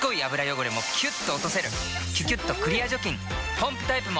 ポンプタイプも！